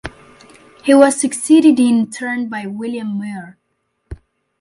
He was succeeded in turn by William Muir.